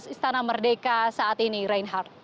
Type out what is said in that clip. istana merdeka saat ini reinhardt